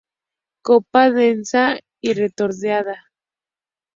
Copa: densa y redondeada.